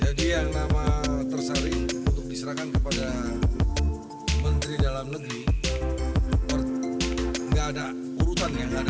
jadi yang nama tersaring untuk diserahkan kepada menteri dalam negeri enggak ada urutan yang ada